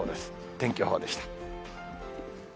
天気予報でした。